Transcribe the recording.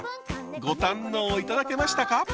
ご堪能頂けましたか？